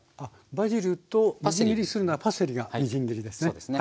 バジルとみじん切りするのはパセリがみじん切りですね。